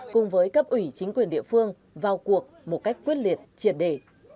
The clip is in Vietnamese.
cùng với cấp ủy chính quyền địa phương vào cuộc một cách quyết liệt triệt đề